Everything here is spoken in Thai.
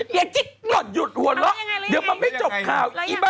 ยายจิ๊กก่อนหยุดหัวเราะเดี๋ยวมันไม่จบข่าวอีบ้า